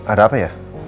ada apa ya